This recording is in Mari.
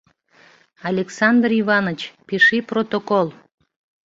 Александр Иваныч, пиши протокол!